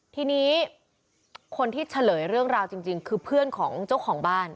ทีนี้คนที่เฉลยเรื่องราวจริงคือเพื่อนของเจ้าของบ้าน